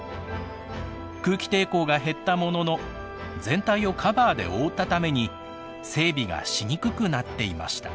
空気抵抗が減ったものの全体をカバーで覆ったために整備がしにくくなっていました。